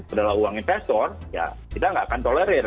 adalah uang investor ya kita nggak akan tolerir